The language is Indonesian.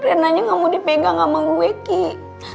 renanya nggak mau dipegang sama gue kiki